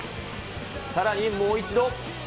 さらにもう一度。